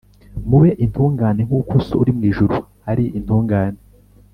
“mube intungane nk’uko so uri mu ijuru ari intungane